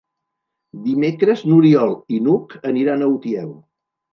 Dimecres n'Oriol i n'Hug aniran a Utiel.